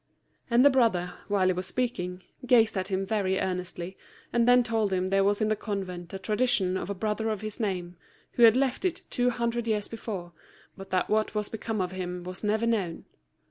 And the brother, while he was speaking, gazed at him very earnestly, and then told him that there was in the convent a tradition of a brother of his name, who had left it two hundred years before, but that what was become of him was never known.